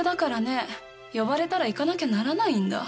呼ばれたら行かなきゃならないんだ。